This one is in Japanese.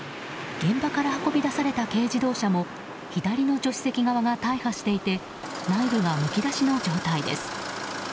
現場から運び出された軽自動車も左の助手席側が大破していて内部がむき出しの状態です。